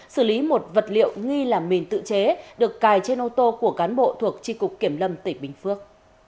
xử lý một vật liệu nghi là mìn tự chế được cài trên ô tô của cán bộ thuộc tri cục kiểm lâm tỉnh bình phước